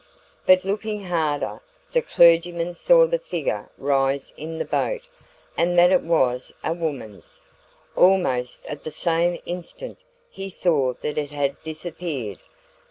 But looking harder, the clergyman saw the figure rise in the boat, and that it was a woman's. Almost at the same instant he saw that it had disappeared.